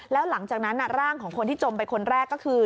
แล้วหลังจากนั้นร่างของคนที่จมไปคนแรกก็คือ